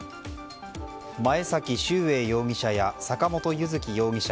前崎秀英容疑者や坂本結月容疑者